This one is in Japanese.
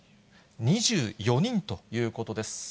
３１２４人ということです。